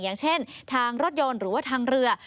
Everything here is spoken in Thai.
อย่างเช่นทางรถยนต์หรือว่าทางเรือ